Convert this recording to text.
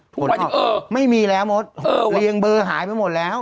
ผลออกไม่มีแล้วโมทเรียงเบอร์หายไปหมดแล้วเออเออเออ